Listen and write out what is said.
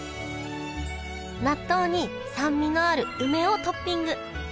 納豆に酸味のある梅をトッピング。